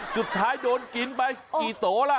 สุดท้ายโดนกินไปกี่โตล่ะ